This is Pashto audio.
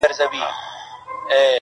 وړی يې له ځان سره په پور دی لمبې کوي,